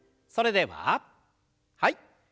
それでははい。